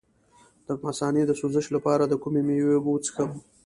د مثانې د سوزش لپاره د کومې میوې اوبه وڅښم؟